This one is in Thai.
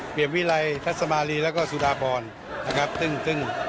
เปรียบวิไรทัศน์สมาลีแล้วก็สุดาบอลนะครับตึ้งตึ้ง